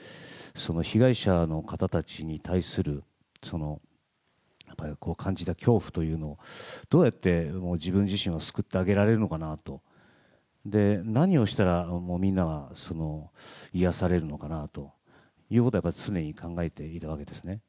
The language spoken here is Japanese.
被害者の方たちに対する、感じた恐怖というのをどうやって自分自身は救ってあげられるのかなと、何をしたらみんなは癒やされるのかなということは常に考えているわけですね。